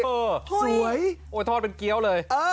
สวยงำตาำโยงแค่สอยทอดเกี้ยวเลย